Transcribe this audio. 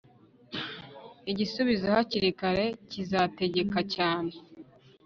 Igisubizo hakiri kare kizategeka cyane